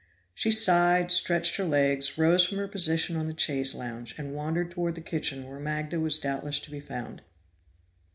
She sighed, stretched her legs, rose from her position on the chaise lounge, and wandered toward the kitchen where Magda was doubtless to be found.